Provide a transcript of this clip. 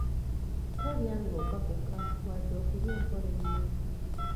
Tolya ng’opakuka wadde okulya empola ennyo.